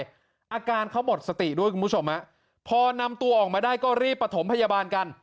อาการเขาหมดสติด้วยคุณผู้ชมฮะพอนำตัวออกมาได้ก็รีบประถมพยาบาลกัน